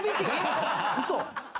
ウソ！？